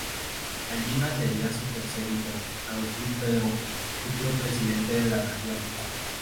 Allí nacería su tercer hijo, Agustín Pedro, futuro presidente de la Nación.